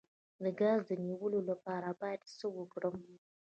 د ګاز د نیولو لپاره باید څه وکړم؟